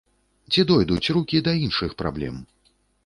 Ці дойдуць рукі да іншых праблем?